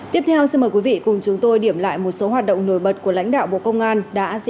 tiếp theo xin mời quý vị cùng chúng tôi điểm lại một số hoạt động nổi bật của lãnh đạo bộ công an đã diễn ra trong tuần